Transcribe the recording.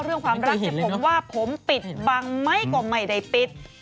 เรื่องความรักจะผมว่าผมปิดบังไม่กว่าไม่ได้ปิด